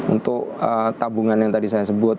untuk tabungan yang tadi saya sebut